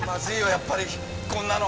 やっぱりこんなの。